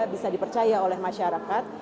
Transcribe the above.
bisa dipercaya oleh masyarakat